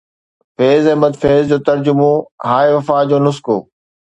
فيض احمد فيض جو ترجمو، ”هاءِ وفا“ جو نسخو